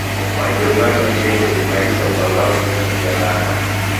Wajerumani walilenga kuimarisha utawala wao sehemu za bara